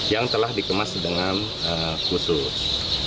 yang telah dikemas dengan khusus